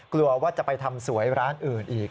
กลัวว่าจะไปทำสวยร้านอื่นอีก